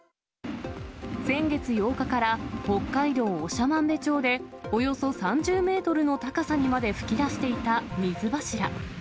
先月８日から北海道長万部町で、およそ３０メートルの高さにまで噴き出していた水柱。